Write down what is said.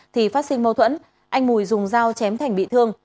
thì phát sinh mâu thuẫn anh mùi dùng dao chém thành bị thương